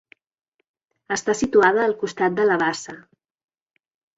Està situada al costat de la bassa.